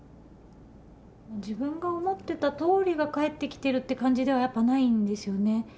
自分が思ってたとおりが返ってきてるって感じではやっぱないんですよね。